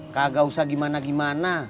kagak usah gimana gimana